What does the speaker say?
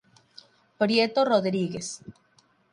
Prieto Rodríguez.